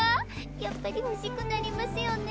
やっぱり欲しくなりますよね。